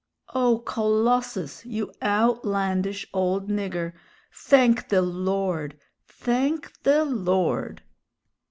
"O Colossus! you outlandish old nigger! Thank the Lord! Thank the Lord!"